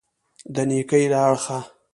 د نېکۍ له اړخه.